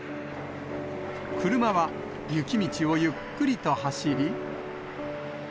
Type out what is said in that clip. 車は、雪道をゆっくりと走り。